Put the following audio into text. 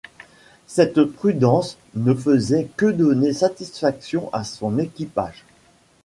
Cette prudence ne faisait que donner satisfaction à son équipage.